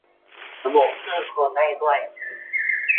ระบุชื่อคนได้ด้วย